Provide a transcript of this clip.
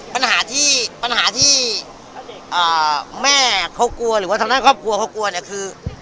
ปัญหาที่ปัญหาที่แม่เขากลัวหรือว่าทางด้านครอบครัวเขากลัวเนี่ยคือ